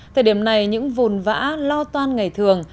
thời điểm này những vùn vã lo toan ngày thường